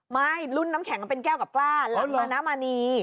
ไม่รุ่นน้ำแข็งเป็นแก้วกับกล้ารุ่นมรณมาณี